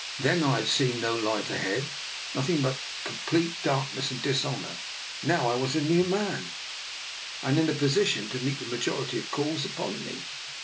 Then I had seen no light ahead, nothing but complete dark ness and dishonour; now I was a new man, and in a position to meet the majority of calls upon me.